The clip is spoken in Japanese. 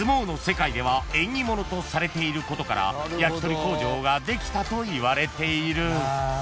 ［とされていることから焼き鳥工場ができたといわれている］